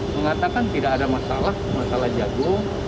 mengatakan tidak ada masalah masalah jagung